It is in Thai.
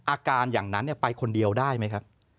อาการอย่างนั้นไปคนเดียวได้ไหมครับ